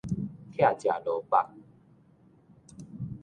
拆食落腹